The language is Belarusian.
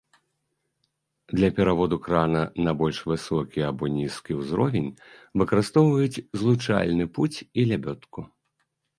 Для пераводу крана на больш высокі або нізкі ўзровень выкарыстоўваюць злучальны пуць і лябёдку.